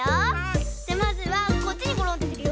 じゃまずはこっちにごろんってするよ。